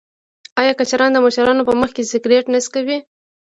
آیا کشران د مشرانو په مخ کې سګرټ نه څکوي؟